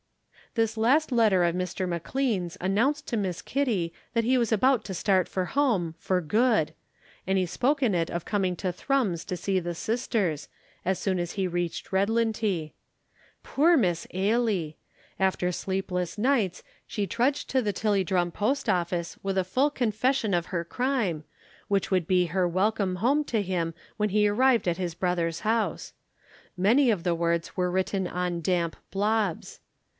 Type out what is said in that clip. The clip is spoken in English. This last letter of Mr. McLean's announced to Miss Kitty that he was about to start for home "for good," and he spoke in it of coming to Thrums to see the sisters, as soon as he reached Redlintie. Poor Miss Ailie! After sleepless nights she trudged to the Tilliedrum post office with a full confession of her crime, which would be her welcome home to him when he arrived at his brother's house. Many of the words were written on damp blobs.